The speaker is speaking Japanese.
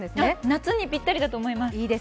夏にぴったりだと思います。